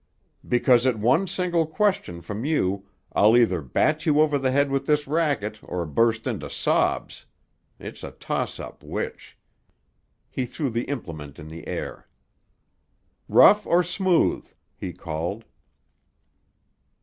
"Because at one single question from you I'll either bat you over the head with this racket or burst into sobs. It's a toss up which." He threw the implement in the air. "Rough or smooth?" he called.